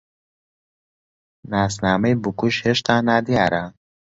ناسنامەی بکوژ هێشتا نادیارە.